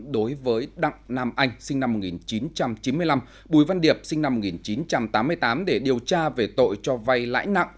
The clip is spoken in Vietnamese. đối với đặng nam anh sinh năm một nghìn chín trăm chín mươi năm bùi văn điệp sinh năm một nghìn chín trăm tám mươi tám để điều tra về tội cho vay lãi nặng